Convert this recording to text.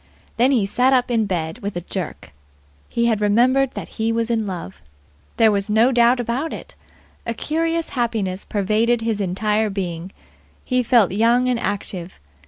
Then he sat up in bed with a jerk. He had remembered that he was in love. There was no doubt about it. A curious happiness pervaded his entire being. He felt young and active.